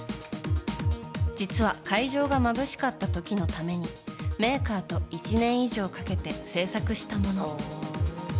実は会場がまぶしかった時のためにメーカーと１年以上かけて製作したもの。